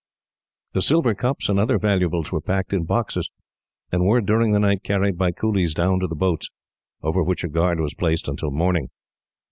The silver cups and other valuables were packed in boxes, and were, during the night, carried by coolies down to the boats, over which a guard was placed until morning.